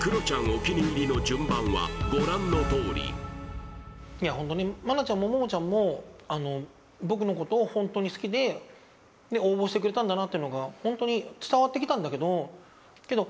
お気に入りの順番はご覧のとおりホントにマナちゃんもモモちゃんも僕のことをホントに好きで応募してくれたんだなっていうのがホントに伝わってきたんだけどけど